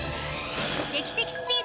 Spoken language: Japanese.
劇的スピード！